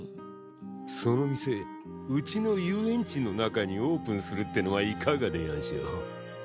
その店うちの遊園地の中にオープンするってのはいかがでやんしょ？